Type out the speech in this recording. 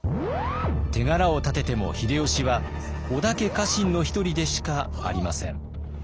手柄を立てても秀吉は織田家家臣の一人でしかありません。